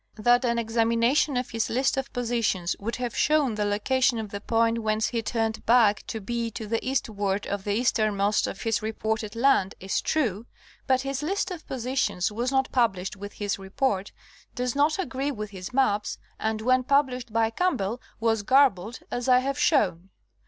That an examination of his list of positions would have shown the location of the point whence he turned back to be to the east ward of the easternmost of his reported land is true, but his list of positions was not published with his report, does not agree with his maps, and when published by Campbell was garbled, as I have shown.